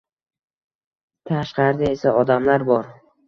Tashqarida esa odamlar bor.